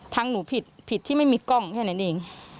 หนูผิดผิดที่ไม่มีกล้องแค่นั้นเอง